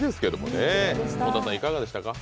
本田さん、いかがでしたか？